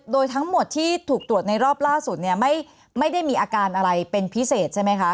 โดยทั้งหมดที่ถูกตรวจในรอบล่าสุดเนี่ยไม่ได้มีอาการอะไรเป็นพิเศษใช่ไหมคะ